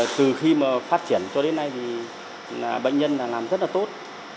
từ khi phát triển cho đến nay bệnh nhân làm rất là tốt